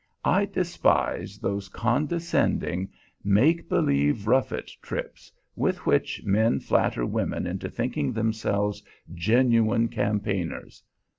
I despise those condescending, make believe rough it trips, with which men flatter women into thinking themselves genuine campaigners.